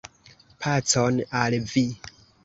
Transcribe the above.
Pacon al vi.